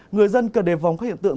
người dân cần đề phòng các hiện tượng